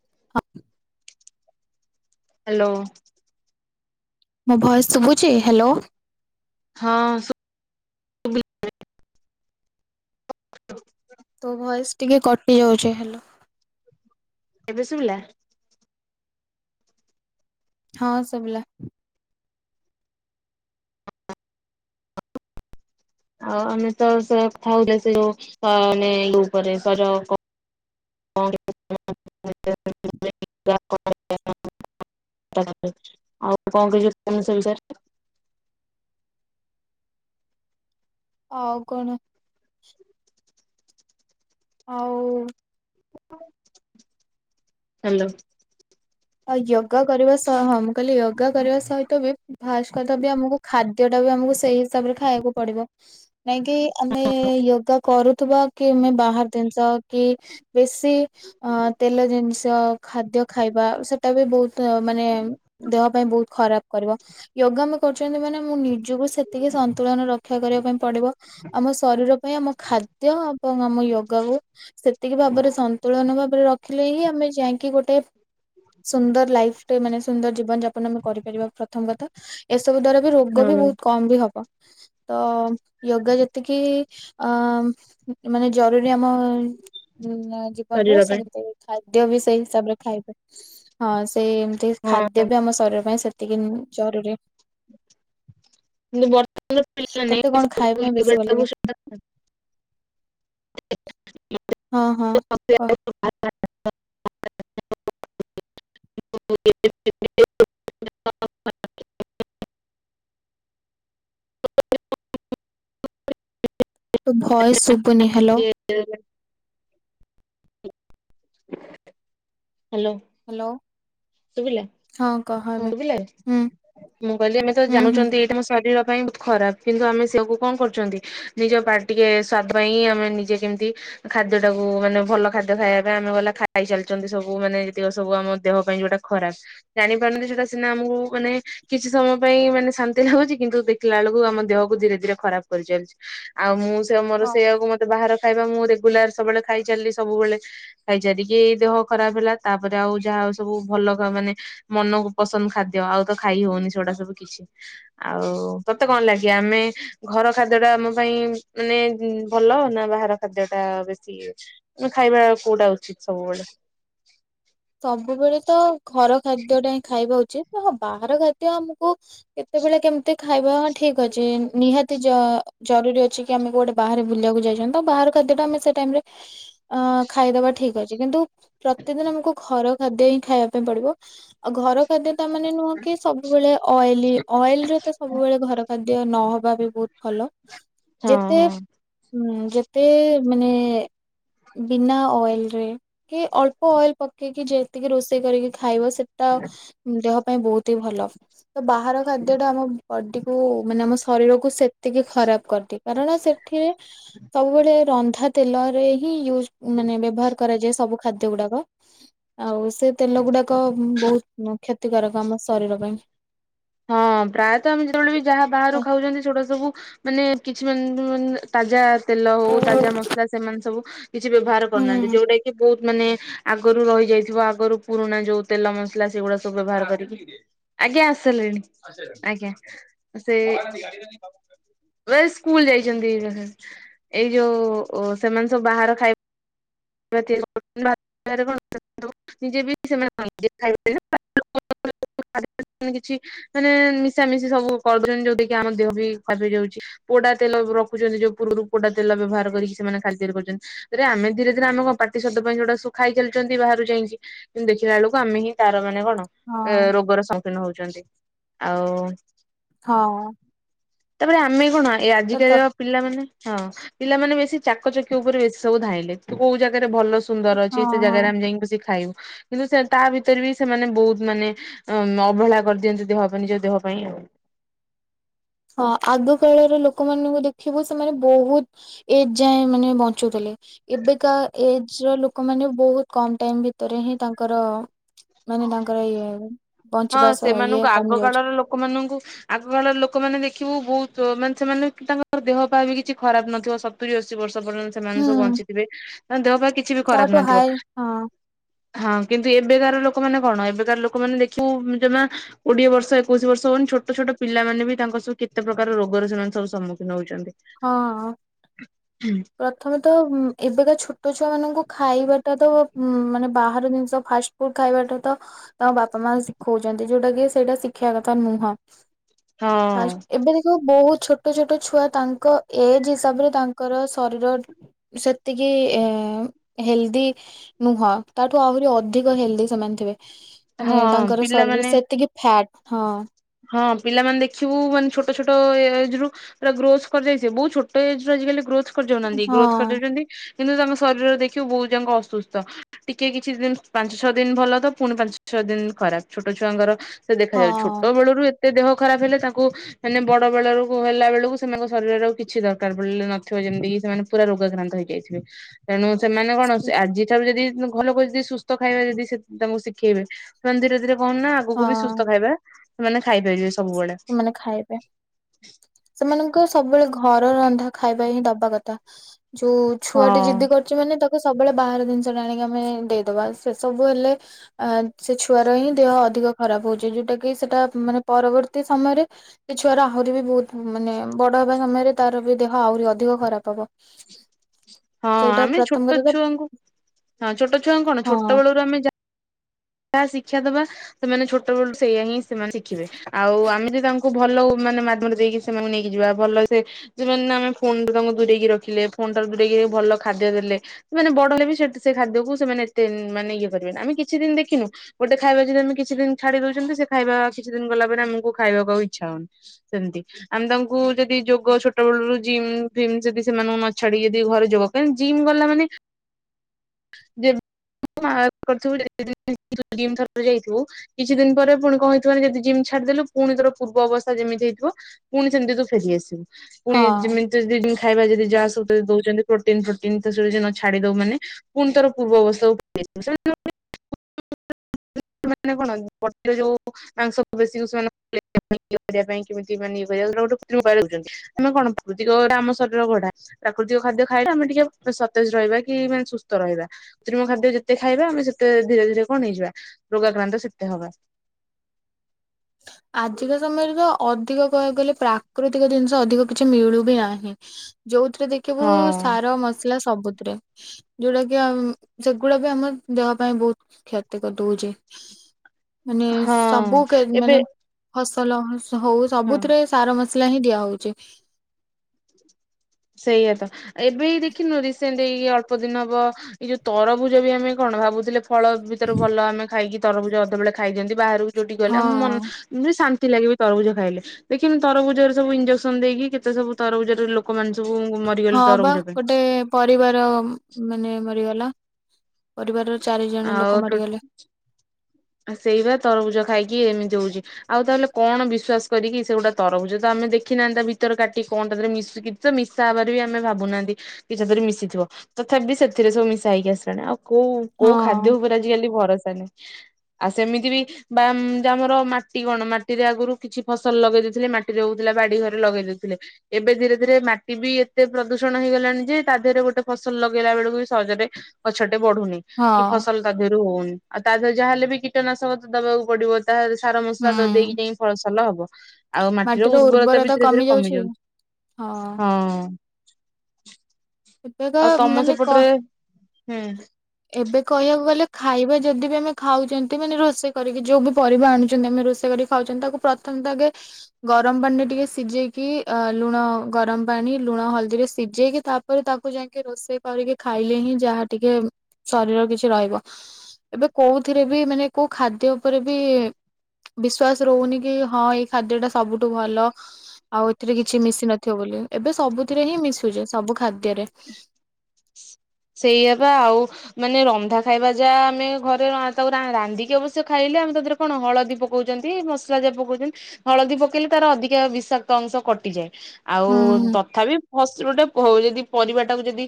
[inaudible] Hello. ମୋ voice ଶୁଭୁଛି hello. ହଁ ଶୁ [inaudible] ତୋ ଭୟସ ଟିକେ କଟି ଯାଉଚି ହାଲୋ। ଏବେ ଶୁବିଲା? ହଁ ସୁବିଲା। ଆଉ ଆମେ ତ ସେ ଥାଉ [unintelligible] ମାନେ କ କ୍ରେ। [inaudible] [inaudible] ଆଉ କଣ କଉଚ ସେ [unintelligible] ବିଷୟରେ? ଆଉ କଣ? ଆଉ ହ୍ୟାଲୋ। ଆ ୟୋଗା କରିବା ସହ ମୁଁ କହିଲି ୟୋଗା କରିବା ସହିତ ବି ଫାଷ୍ଟ କଥା ବି ଆମକୁ ଖାଦ୍ୟ ଟାକୁ ବି ଆମକୁ ସେଇ ହିସାବରେ ଖାଇବାକୁ ପଡିବ। ନାଇଁ କିି ଆମେ ୟୋଗା କରୁଥିବା କି ଆମେ ବାହାର ଜିନଷ କି ବେସି ଅଁ ତେଲ ଜିନିଷ ଖାଦ୍ୟ ଖାଇବା ସ ସେଟା ବି ବହୁତ୍ ମାନେ ଦେହ ପାଇଁ ବହୁତ ଖରାପ କରିବ ୟୋଗା ଆମେ କରୁଛନ୍ତି ମାନେ ମୁଁ ନି ଯୋଗୁ ସେତିକି ସନ୍ତୁଳନ ରକ୍ଷା କରିବା ପାଇଁ ପଡ଼ିବ। ଆମ ଶରୀର ପାଇଁ ଆମ ଖାଦ୍ୟ ଏବଂ ଆମ ୟୋଗାକୁ ସେତିକି ଭାବରେ ସନ୍ତୁଳନ ଭାବରେ ରଖିଲେ ହିଁ ଆମେ ଯାଇଁକି ଗୋଟେ ସୁନ୍ଦର ଲାଇଫ୍ ଟେ ମାନେ ସୁନ୍ଦର ଜୀବନ ଯାପନ ଆମେ କରିପାରିବା ପ୍ରଥମ କଥା ଏସବୁ ଦ୍ଵାରା ବି ରୋଗ ବି ହଁ ବହୁତ୍ କମ୍ ବି ହବ। ତ ୟୋଗା ଯେତିକି ଅଁ ମାନେ ଜରୁରୀ ଆମ ହୁଁ ଆଁ ଜୀବନରେ ଶରୀର ପାଇଁ ସେମିତି ଖାଦ୍ୟ ବି ସେଇ ହିସାବରେ ଖାଇବେ। ହଁ ସେଇ ଏମିତି ହଁ ଖାଦ୍ୟ ବି ଆମ ଶରୀର ପାଇଁ ସେତିକି ଜରୁରୀ। କିନ୍ତୁ ବର୍ତ୍ତମାନ ପିଲା ତତେ କଣ ଖାଇବା ପାଇଁ ବେଶୀ ଭଲ ଲାଗେ? ନାଇଁ [unintelligible] ହଁ ହଁ। କହ [unintelligible] [unintelligible] ତୋ ଭୟେସ୍ ଶୁଭୁନି ହାଲୋ। [unintelligible] ହାଲୋ। ହାଲୋ। ଶୁଭିଲା ହୁଁ ଶୁଭିଲା ହୁଁ ମୁଁ କହିଲି ଆମେ ତ ହୁଁ ହୁଁ ଜାଣୁଛନ୍ତି ଏଇଟା ମୋ ଶରୀର ପାଇଁ ଭ ଖରାପ୍ କିନ୍ତୁ ଆମେ ସେୟାକୁ କଣ କରୁଛନ୍ତି ନିଜ ପାଟି ଟିକେ ସୁଆଦ୍ ପାଇଁ ଆମେ ନିଜେ କେମିତି ଖାଦ୍ୟ ଟାକୁ ମାନେ ଭଲ ଖାଦ୍ୟ ଖାଇବା ପାଇଁ ଆମେ ବଲା ଖାଇ ଚାଲିଚନ୍ତି ସବୁ ମାନେ ଯେତିକ ସବୁ ଆମ ଦେହ ପାଇଁ ଯୋଉଟା ଖରାପ୍ ଜାଣି ପାରୁନାହାନ୍ତି କି ସେଇଟା ସିନା ଆମକୁ ମାନେ କିଛି ସମୟ ପାଇଁ ମାନେ ଶାନ୍ତି ଲାଗୁଚି। କିନ୍ତୁ ଦେଖିଲା ବେଳକୁ ଆମ ଦେହକୁ ଧୀରେ ଧୀରେ ଖରାପ୍ କରିଚାଲିଛି। ଆଉ ମୁଁ ସେ ମୋର ହଁ। ସେଇଆକୁ ମତେ ବାହାର ଖାଇବା ମୁଁ ରେଗୁଲାର୍ ସବୁବେଳେ ଖାଇଚାଲିଲି ସବୁବେଳେ। ଖାଇଚାରିକି ଦେହ ଖରାପ ହେଲା। ତାପରେ ଆଉ ଯାହା ଆଉ ସବୁ ଭଲ କ୍ ମାନେ ମନକୁ ପସନ୍ଦ ଖାଦ୍ୟ ଆଉ ତ ଖାଇ ହଉନି ସେଉଡା ସବୁ କିଛି। ଆଉ ତତେ କଣ ଲାଗେ ଆମେ ଘର ଖାଦ୍ୟ ଟା ଆମ ପାଇଁ ମାନେ ଭଲ ନା ବାହାର ଖାଦ୍ୟ ଟା ବେଶୀ ଇଏ ଅଛି। ମାନେ ଖାଇବା କୋଉଟା ଉଚିତ୍ ସବୁବେଳେ? ସବୁବେଳେ ତ ଘର ଖାଦ୍ୟ ଟା ହିଁ ଖାଇବା ଉଚିତ୍ ହଁ ବାହାର ଖାଦ୍ୟ ଆମକୁ କେତେବେଳେ କେମିତି ଖାଇବା ଠିକ୍ ଅଛି। ନିହାତି ଜ ଜରୁରୀ ଅଛି କି ଆମେ କୁଆଡେ ବାହାରେ ବୁଲିଆକୁ ଯାଇଛନ୍ତି ତ ବାହାର ଖାଦ୍ୟଟା ଆମେ ସେ ଟାଇମ୍ ରେ ଅଁ ଖାଇଦବା ଠିକ୍ ଅଛି। କିନ୍ତୁ ପ୍ରତିଦିନ ଆମକୁ ଘର ଖାଦ୍ୟ ହିଁ ଖାଇବା ପାଇଁ ପଡିବ। ଆଉ ଘର ଖାଦ୍ୟ ତା ମାନେ ନୁହଁ କି ସବୁବେଳେ ଅଏଲି ଅଏଲ୍ ରେ ତ ସବୁବେଳେ ଘର ଖା ଦିଅ ନହବା ବି ବହୁତ ଭଲ ହଁ ଯେତେ ହଁ। ହୁଁ ଯେତେ ମାନେ ବିନା ଅଏଲ୍ ରେ କି ଅଳ୍ପ ଅଏଲ୍ ପ କିକି ଯେତିକି ରୋଷେଇ କରିକି ଖାଇବ ସେଟା ଦେହ ପାଇଁ ବହୁତ୍ ହିଁ ଭଲ ତ ବାହାର ଖାଦ୍ୟ ଟା ଆମ ବଡି କୁ ମାନେ ଆମ ଶରୀରକୁୁ ସେତିକି ଖରାପ୍ କରିଦିଏ। କାରଣ ସେଠିରେ ସବୁବେଳେ ରନ୍ଧା ତେଲରେ ହିଁ ୟୁଜ୍ ମାନେ ବ୍ୟବହାର କରାଯାଏ ସବୁ ଖାଦ୍ୟ ଗୁଡାକ ଆଉ ସେ ତେଲ ଗୁଡାକ ବହୁତ୍ ହୁଁ କ୍ଷତିକାରକ ଆମ ଶରୀର ପାଇଁ। ହଁ ପ୍ରାୟତଃ ଆମେ ଯେତେବେଳେ ବି ଯାହା ବାହାରୁ ଖାଉଛନ୍ତି ସେଗୁଡା ସବୁ ମାନେ କିଛି ମାନ ନ ଉଁ ତାଜା ତେଲ ହୁଁ ହୋଉ ହଁ ତାଜା ମସଲା ସେମାନେ ସବୁ କିଛି ବ୍ୟବହାର କରୁନାହାନ୍ତି। ଯୋଉଟା କି ବହୁତ ମାନେ ଆଗରୁ ରହିଯାଇଥିବ ଆଗରୁ ପୁରୁଣା ଯୋଉ ତେଲ ମସଲା ସେଗୁଡା ସବୁ ବ୍ୟବହାର କରିକି। ଆଜ୍ଞା ଆସିସାଇଲେଣି ଆସି ସାଇଲାଣି ଆଜ୍ଞା ସେ [inaudible] ଏଇ ସ୍କୁଲ୍ ଯାଇଚନ୍ତି ଏଁ ହେଁ ଏଇ ଯୋଉ ସେମାନେ ସବୁ ବାହାର ଖାଇ ନିଜେ ବି ସେ ଖାଇ [inaudible] କିଛି [inaudible] ମାନେ ମିଶା ମିଶି ସବୁ କରୁଚନ୍ତି ଯୋଉଟା କିି ଆମ ଦେହ ବି ଖରାପ୍ ଯାଉଛି। ପୋଡା ତେଲ ରଖୁଛନ୍ତି ଯୋଉ ପୂର୍ବରୁ ପୋଡା ତେଲ ବ୍ୟବହାର କରିକି ସେମାନେ ଖାଲି ତିଆରି କରୁଛନ୍ତି ରେ ଆମେ ଧୀରେ ସେଥିରେ ଆମେ କଣ ପାଟି ସ୍ୱାଦ ପାଇଁ ଯୋଉଟା ସବୁ ଖାଇ ଚାଲିଚନ୍ତି ବାହାରୁ ଯାଇଁକି କିନ୍ତୁ ଦେଖିଲା ଏଳକୁ ଆମେ ହିଁ ତାର ମାନେ କଣ ହଁ ରୋଗର ସମ୍ମୁଖୀନ ହୋଉଛନ୍ତି ଆଉ ହଁ। ତାପରେ ଆମେ କଣ ଏ ତ ତ ଆଜିକାଲି ର ପିଲାମାନେ ହଁ ପିଲାମାନେ ବେଶୀ ଚାକଚକିଅ ଉପରେ ବେଶୀ ସବୁ ଧାଇଁଲେ ତୁ କୋଉ ଜାଗାରେ ଭଲ ସୁ ସୁନ୍ଦର ଅଛି ହଁ ସେ ହଁ। ଜାଗାରେ ଆମେ ଯାଇଁକି ବସିକି ଖାଇବୁ। କିନ୍ତୁ ସେ ତା ଭିତରେ ବି ସେମାନେ ବୋହୁତ୍ ମାନେ ଅବହେଳା କରିଦିଅନ୍ତି ଦେହ ପାଇଁ ନିଜ ଦେହ ପାଇଁ ଆଉ। ହଁ ଆଗ କାଳର ଲୋକମାନଙ୍କୁ ଦେଖିବୁ ସେମାନେ ବୋହୁତ୍ ଏଯାଏଁ ମାନେ ବଞ୍ଚୁଥୁଲେ। ଏବେକା ଏଜ୍ ର ଲୋକ ମାନ ବୋହୁତ୍ କମ୍ ଟାଇମ୍ ଭିତରେ ହିଁ ତାଙ୍କର ମାନେ ତାଙ୍କର ଇଏ ହଁ ବଞ୍ଚିବା ସ ଇଏ ସେମାନଙ୍କୁ କମି ଆଗ ଯାଉଛି। କାଳର ଲୋକମାନଙ୍କୁ ଆଗକାଳର ଲୋକମାନେ ଦେଖିବୁ ବୋହୁତ୍ ଉ ମାନେ ସେମାନେ ତାଙ୍କର ଦେହ ପା ବି କିଛି ଖରାପ୍ ନଥିବ ସ ସତୁରି ଅଶୀ ବର୍ଷ ପର୍ଯ୍ୟନ୍ତ ସେମାନେ ସବୁ ହୁଁ ବଞ୍ଚିଥିବେ ତାଙ୍କ ଦେହ ପାଆ କିଛି ବି ଖରାପ୍ ତାଠୁ ନଥିବ। ହାଇ ହଁ ହଁ କିନ୍ତୁ ଏବେକାର ଲୋକମାନେ କଣ ଏବେକାର ଲୋକମାନେ ଦେଖିବୁ ଜମା କୋଡିଏ ବର୍ଷ ଏକୋଇଶ ବର୍ଷ ହବନି ଛୋଟ ଛୋଟ ପିଲାମାନେ ବି ତାଙ୍କର ସବୁ କେତେ ପ୍ରକାର ରୋଗରେ ସେମାନେ ସବୁ ସମ୍ମୁଖୀନ ହୋଉଛନ୍ତି। ହଁ। ହୁଁ। ପ୍ରଥମେତ ଉଁ ଏବେକା ଛୋଟ ଛୁଆମାନଙ୍କୁ ଖାଇବାଟା ତ ଉଁ ମାନେ ବାହାର ଜିନିଷ ଫାଷ ପୁଟ୍ ଖାଇବାଟା ତ ତାଙ୍କ ବାପା ମା ଶିଖୋଉଚନ୍ତି ଯୋଉଟା କି ସେଇଟା ଶିଖିଆ କଥା ନୁହଁ। ହଁ ଫାର୍ଷ୍ଟ ଏବେ ଦେଖ ତୋ ବହୁତ୍ ଛୋଟ ଛୋଟ ଛୁଆ ତାଙ୍କ ଏଜ୍ ହିସାବରେ ତାଙ୍କର ଶରୀର ସେତିକି ହେଲ୍ଡି ନୁହଁ ତାଠୁ ଆହୁରି ଅଧିକ ହେଲ୍ଡି ସେମାନେ ଥିବେ ମାନେ ହଁ ତାଙ୍କର ଶରୀର ପିଲାମାନେ ସେତିକି ଫ୍ୟାଟ୍ ହଁ। ହଁ ପିଲାମାନେ ଦେଖିବୁ ମାନେ ଛୋଟ ଛୋଟ ଏଜ୍ ରୁ ପୁରା ଗ୍ରୋଥ୍ କରିଯାଇଥିବେ ବହୁତ୍ ଛୋଟ ଏଜ୍ ରୁ ଆଜିକାଲି ଗ୍ରୋଥ୍ କରି ଯାଉନାହାନ୍ତି ହଁ ଗ୍ରୋଥ୍ କରିଯାଉଛନ୍ତି। କିନ୍ତୁ ତାଙ୍କ ଶରୀର ଦେଖିବୁ ବହୁତ୍ ଜାଙ୍କ ଅସୁସ୍ଥ। ଟିକେ କିଛି ଦିନ୍ ପାଞ୍ଚ ଛଅ ଦିନ୍ ଭଲ ତ ପୁଣି ପାଞ୍ଚ ଛଅ ଦିନ୍ ଖରାପ୍ ଛୋଟ ଛୁଆଙ୍କର ସେ ଦେଖାଯାଉଛି ଛୋଟ ହଁ। ବେଳୁରୁ ଏତେ ଦେହ ଖରାପ୍ ହେଲେ ତାଙ୍କୁ ମାନେ ବଡ ବଡ ରୋଗ ହେଲା ବେଳୁକୁ ସେମାନଙ୍କ ଶରୀରଆଉ କିଛି ଦରକାର ପଡିଲେ ନଥିବ ଯେମତି କିି ସେମାନେ ପୁରା ରୋଗାକ୍ରାନ୍ତ ହେଇଯାଇଥିବେ ତେଣୁ ସେମାନେ କଣ ଆଜିଠାରୁ ଯଦି ନୁ ଭଲ କରି ଯଦି ସୁସ୍ଥ ଖାଇବା ଯେଦି ସେ ତାଙ୍କୁ ଶିଖେଇବେ ସେମାନେ ଧୀରେ ଧୀରେ କଣ ନା ଆଗୁକୁ ବି ହଁ ସୁସ୍ଥ ଖାଇବା ସେମାନେ ଖାଇପାରିବେ ସବୁବେଳେ ମାନେ ଖାଇବେ ସେମାନଙ୍କ ସବୁବେଳେ ଘର ରନ୍ଧା ଖାଇବା ହିଁ ଦବା କଥା ଯୋଉ ହଁ ଛୁଆଟୀ ଜିଦି କରୁଛି ମାନେ ତାକୁ ସବୁବେଳେ ବାହାର ଜିନିଷ ଟା ଆଣିକି ଆମେ ଦେଇଦବା ସେ ସବୁ ହେଲେ ଆ ସେ ଛୁଆର ହିଁ ଦେହ ଅଧିକ ଖରାପ୍ ହୋଉଛି ଯୋଉଟା କି ସେଟା ମାନେ ପରବର୍ତ୍ତୀ ସମୟରେ ସେ ଛୁଆର ଆହୁରି ବି ବୋହୁତ୍ ମାନେ ବଡ ହେବା ସମୟରେ ତାର ବି ଦେହ ଆହୁରି ଅଧିକ ଖରାପ୍ ହବ। ହଁ ସେଇଟା ଆମେ ପ୍ରଥମ ଛୋଟ କଥା ତ ଛୁଆଙ୍କୁ ହଁ ଛୋଟ ଛୁଆଙ୍କୁ କଣ ହଁ ଛୋଟ ବେଳରୁ ଆମେ ଯା ଯାହା ଶିକ୍ଷା ଦବା ସେମାନେ ଛୋଟବେଳୁ ସେଇଆ ହିଁ ସେମାନେ ଶିଖିବେ ଆଉ ଆମେ ଯଦି ତାଙ୍କୁ କୁ ଭଲ ମାନେ ମାଧ୍ୟମରେ ଦେଇକି ସେମାନଙ୍କୁ ନେଇକି ଯିବା ଭଲ ସେ ଯେଁ ମାନେ ଫୋନ ଟା ତାଙ୍କୁ ଦୂରେଇକି ରଖିଲେ ଫୋନ ଟା ଦୂରେଇକି ଭଲ ଖାଦ୍ୟ ଦେଲେ। ସେମାନେ ବଡ ହେଲେ ବି ସେ ଖାଦ୍ୟକୁ ସେମାନେ ଏତେ ମାନେ ଇଏ କରିବେନି ଆମେ କିଛି ଦୀନ ଦେଖ ଖିନୁ ଗୋଟେ ଖାଇବା ଯଦି ଆମେ କିଛି ଦୀନ ଛାଡି ଦଉଛନ୍ତି ସେ ଖାଇବା କିଛି ଦୀନ ଗଲା ପରେ ଆମକୁ ଖାଇବାକୁ ଆଉ ଇଚ୍ଛା ହଉନି। ସେମତି ଆମେ ତାଙ୍କୁ ଯଦି ଯୋଗ ଛୋଟ ବେଳରୁ ଜିମ୍ ଫିମ୍ ଯଦି ସେମାନଙ୍କୁ ନ ଛାଡିିକି ଯଦି ଘରେ ଯୋଗ ଜିମ୍ ଗଲା ମାନେ [unintelligible] ଯାଇଥିବୁ କିଛି ଦୀନ ପରେ ପୁଣି କଁ ହେଇଥିବନା ଯଦି ଜିମ୍ ଛାଡିଦେଲୁ ପୁଣି ତୋର ପୂର୍ବ ଅବସ୍ଥା ଯେମିତି ହେଇଥିବ ପୁଣି ସେମିତି ତୁ ଫେରିଆସିବୁ ପୁଣି ହଁ। ଯେମତି ଯଦି ଖାଇବା ଯଦି ଯା ସବୁ ଦଉଛନ୍ତି ପ୍ରୋଟିନ୍ ପ୍ରୋଟିନ୍ ତ ଛାଡି ଦବୁ ମାନେ ପୁଣି ତୋର ପୂର୍ବ ଅବସ୍ଥା କୁ ଫେରି ଆସିବ [unintelligible] ମାନେ କଣ [unintelligible] ଯୋଉ ତାଙ୍କ ସବୁ ବେଶୀ ସେମାନେ ଏ କରିବା ପାଇଁ କେମିତି ମାନେ ଇ କରିବା ଗୋଟ ରହନ୍ତି [unintelligible] ଆମେ କଣ ପଡୁଛ ଗୋ ରାମ ଶରୀର ଘୋଡା? ପ୍ରାକୃତିକ ଖାଦ୍ୟ ଖାଇବା ଆମେ ଟିକେ ସତେଜ ରହିବା କି ମାନେ ସୁସ୍ଥ ରହିବା। କୃତ୍ରିମ ଖାଦ୍ୟ ଯେତେ ଖାଇବା ଆମେ ସେତେ ଧୀରେ ଧୀରେ କଣ ହେଇଯିବା ରୋଗାକ୍ରାନ୍ତ ସେତେ ହବା। ଆଜିକା ସମୟରେ ତ ଅଧିକ କହିବାକୁ ଗଲେ ପ୍ରାକୃତିକ ଜିନିଷ ଅଧିକ କିଛି ମିଳୁ ବିି ନାହିଁ। ଯୋଉଥିରେ ଦେଖିବୁ ହଁ ସାର ମସଲା ସବୁଥିରେ। ଯୋଉଟା କି ଆ ସେଗୁଡା ବି ଆମ ଦେହ ପାଇଁ ବହୁତ କ୍ଷତି କରିଦଉଚି। ମାନେ ହଁ ସବୁ କେ ଏବେ ମାନେ ଫସଲ ହ ହଉ ହଁ। ସବୁଥିରେ ସେ ସାର ମସଲା ହିଁ ଦିଆ ହେଉଚି। ସେଇଆତ। ଏବେ ଦେଖିନୁ ରିସେଣ୍ଟ୍ ଏଇ ଅଳ୍ପ ଦୀନ ହବ ଏଇ ଯୋଉ ତରଭୁଜ ବି ଆମେ କଣ ଭାବୁଥିଲେ ଫଳ ଭିତରେ ଭଲ ଆମେ ଖାଇକି ତରଭୁଜ ଅଧେବେଳେ ଖାଇ ଦିଅନ୍ତି ବାହାରକୁ ଯୋଉଠିକି ଗଲେ ଆମ ହଁ। ମନ ଶାନ୍ତି ଲାଗେ ବି ତରଭୁଜ ଖାଇଲେ ଦେଖିନୁ ତରଭୁଜରେ ସବୁ ଇଞଜେକ୍ସନ ଦେଇକି କେତେ ସବୁ ତରଭୁଜରେ ଲୋକ କ ମାନେ ସବୁ ହଁ ମରିଗଲେ ବା ତାରବୁଜ ଗୋଟେ ପାଇଁ। ପରିବାର ମାନେ ମରିଗଲା ପରିବାରର ଚାରି ଜଣ ଲୋକ ମରିଗଲେ। ଆ ସେଇ ବା ତରଭୁଜ ଖାଇକି ଏମିତି ହେଉଚି। ଆଉ ତାହେଲେ କଣ ବିଶ୍ଵାସ କରିକି ସେ ଗୋଟେ ତରଭୁଜ ତ ଆମେ ଦେଖିନାହାନ୍ତି ତା ଭିତରେ କାଟିିକି କଣ ତା ଦେରେ ମିଶିକି ତ ମିଶା ହବାର ବି ଆମେ ଭାବୁନାହାନ୍ତି କି ସେପରି ମିଶିଥିବ ତଥାପି ସେଥିରେ ସବୁ ମିଶା ହେଇକି ଆସିଲାଣି ଆଉ କୋଉ କୋଉ ଖାଦ୍ୟ ହଁ ଉପରେ ଆଜି କାଲି ଭରସା ନାହିଁ ଆଉ ସେମିତି ବି ବା ଆମର ମାଟି କଣ ମାଟିରେ ଆଗରୁ କିଛି ଫସଲ ଲଗେଇ ଦେଇେଇଥିଲେ ମାଟିରେ ହଉଥିଲା ବାଡି ଘରେ ଲଗେଇ ଦେଉଥିଲେ। ଏବେ ଧୀରେ ଧୀରେ ମାଟି ବି ଏତେ ପ୍ରଦୂଷଣ ହେଇଗଲାଣି ଯେ ତା ଦେହରେ ଗୋଟେ ଫସଲ ଲଗେଇଲା ବେଳକୁ ବି ସହଜରେ ଗଛଟେ ବଢୁନି ହଁ କି ଫସଲ ତା ଦେହରୁ ହଉନି ଆଉ ତା ଦେହରେ ଯାହାହେଲେ ବି କୀଟନାଶକ ତ ଦବାକୁ ପଡିବ। ତାହେଲେ ସାର ମସଲା ଦେଇକି ହୁଁ ଯାଇକ ଫସଲ ହବ। ଆଉ ମାଟିର ଉର୍ବରତା ବି ଧୀରେ ଧୀରେ କମି ଯାଉଚି ହଁ। ଏ କ ଆଉ ତମ ମାନେ କ ସେପଟରେ ହୁଁ। ଏବେ କହିବାକୁ ଗଲେ ଖାଇବା ଯଦି ବି ଆମେ ଖାଉଚନ୍ତି ମାନେ ରୋଷେଇ କରିକି ଯୋଉ ବି ପରିବା ଆଣୁଚନ୍ତି ଆମେ ରୋଷେଇ କରି ଖାଉଛନ୍ତି ତାକୁ ପ୍ରଥମେ ତ ଆଗେ ଗରମ ପାଣିରେ ଟିକେ ସିଝେଇକି ଅ ଲୁଣ ଗରମ ପାଣି ଲୁଣ ହଳଦୀରେ ସିଝେଇକି ତା ତା ପରେ ତାକୁ ଯାଇକି ରୋଷେଇ କରିକି ଖାଇଲେ ହିଁ ଯାହା ଟିକେ ଶରୀର କିଛି ରହିବ। ଏବେ କୋଉଥିରେ ବି ମାନେ କୋଉ ଖାଦ୍ୟ ଉପରେ ବି ବିଶ୍ୱାସ ରହୁନି କି ହଁ ଏଇ ଖାଦ୍ୟ ଟା ସବୁଠୁ ଭଲ। ଆଉ ଏଥିରେ କିଛି ମିଶି ନ ଥିବ ବୋଲି ଏବେ ସବୁଥିରେ ହିଁ ମିଶୁଚି ସବୁ ଖାଦ୍ୟରେ। ସେଇଆପା ଆଉ ମାନେ ରନ୍ଧା ଖାଇବା ଯାହା ଆମେ ଘରେ ତାକୁ ରାନ୍ଧିକି ଅବଶ୍ୟ ଖାଇଲେ ଆମେ ତା ଦେହରୁ କଣ ହଳଦୀ ପକଉଚନ୍ତି ମସଲା ଯାହା ପକଉଚନ୍ତି ହଳଦୀ ପକେଇଲେ ତାର ଅଧିକା ବିଷାକ୍ତ ଅଂଶ କଟିଯାଏ। ଆଉ ହୁଁ ହୁଁ ତଥାପି ଫସ ଗୋଟେ ହ ଯଦି ପରିବାଟାକୁ ଯଦି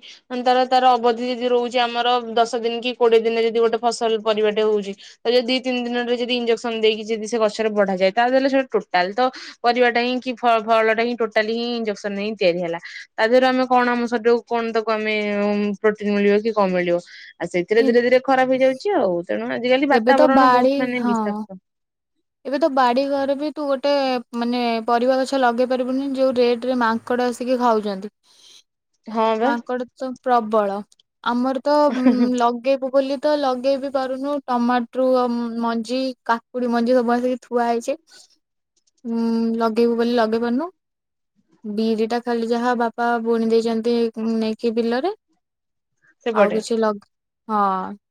ତାର ତାର ଅବଧି ଯଦି ରହୁଛି ଆମର ଦଶ ଦିନ କି କୋଡିଏ ଦିନ ଯଦି ଗୋଟେ ଫସଲ ପରିବାଟେ ହଉଚି ତ ଯଦି ଦି ତିନି ଦିନରେ ଯଦି ଇଞ୍ଜେକ୍ସନ ଦେଇକି ଯଦି ସେ ଗଛରେ ବଢାଯାଏ ତାହଲେ ସୋ ଟୋଟାଲ ତ ପରିବାଟା ହିଁ କି ଫଳଟା ହିଁ ଟୋଟାଲି ହିଁ ଇଞ୍ଜେକ୍ସନ ହିଁ ତିଆରି ହେଲା। ତା ଦେହରେ ଆମେ କଣ ଆମ ଶରୀର କୁ କଣ ତାକୁ ଆମେ ପ୍ରୋଟିନ ମିଳିବ କି କମ ମିଳିବ ଆଉ ସେଇଥିରେ ଏ ଧୀରେ ଧୀରେ ଖରାପ ହେଇଯାଉଛି ଆଉ। ତେଣୁ ଆଜିକାଲି ଏବେ ତ ବାତାବରଣ ବହୁତ ବାଡି ମାନେ ହଁ ବିଷାକ୍ତ। ଏବେ ତ ବାଡି ଘରେ ବି ତୁ ଗୋଟେ ମାନେ ପରିବା ଗଛ ଲଗେଇ ପାରିବୁନି ଯୋଉ ରେଟରେ ମା ଙ୍କଡ଼ ଆସିକି ଖାଉଛନ୍ତି। ହଁ ବା ମାଙ୍କଡ ତ ପ୍ରବଳ ଆମର ତ ଲ ଲଗେଇ ବୁ ବୋଲିତ ଲଗେଇବି ପାରୁନୁ ଟମାଟ୍ରୁ ମଞ୍ଜି କାକୁଡି ମଞ୍ଜି ଭଲକି ଥୁଆ ହେଇଛି ଉ ଲଗେଇବୁ ବୋଲି ଲଗେଇବୁ ବୋଲି ଲଗେଇ ପାରୁନୁ। ବିରିଟା ଖାଲି ଯାହା ବାପା ବୁଣି ଦେଇଛନ୍ତି ନେଇକି ବିଲରେ। ଆଉ ସେପଟେ କିଛି ଲଗ ହଁ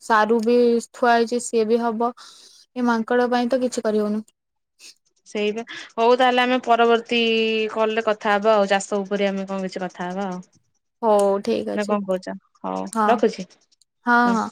ସାରୁ ବି ଥୁଆ ହେଇଛି ସିଏ ବି ହବ ଏ ମାଙ୍କଡ଼ ପାଇଁ ତ କିଛି କରିହଉନି। ସେଇପା ହଉ ତାହେଲେ ଆମେ ପରବର୍ତ୍ତୀ କଲେରେ କଥା ହବା ଆଉ ଚାଷ ଉପରେ ଆମେ କଣ କିଛି କଥା ହବା ଆଉ। ହଉ ଠିକ ନା ଅଛି କଣ କହୁଛ? ହଁ ରଖୁଛି ହଁ ହଁ। ହୁଁ।